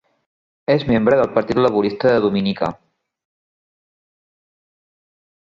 És membre del Partit Laborista de Dominica.